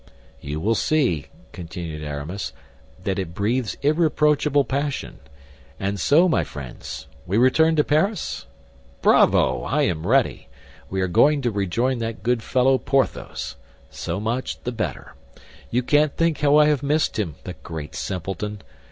"You will see," continued Aramis, "that it breathes irreproachable passion. And so, my friends, we return to Paris? Bravo! I am ready. We are going to rejoin that good fellow, Porthos. So much the better. You can't think how I have missed him, the great simpleton.